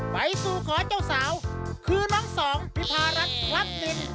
ไปสู่ขอเจ้าสาวคือน้องสองพิพารัฐพลัดนิน